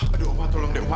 aduh oma tolong deh oma